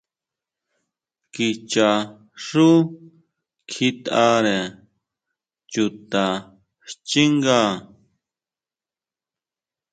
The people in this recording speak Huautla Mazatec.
Kicha xú kjitʼare chuta xchínga.